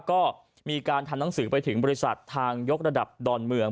ก็มีการทำหนังสือไปถึงบริษัททางยกระดับดอนเมือง